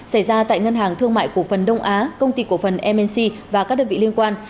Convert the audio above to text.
xảy ra tại ngân hàng thương mại cổ phần đông á công ty cổ phần mc và các đơn vị liên quan